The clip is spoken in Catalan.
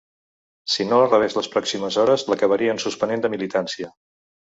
Si no la rebés les pròximes hores, l’acabarien suspenent de militància.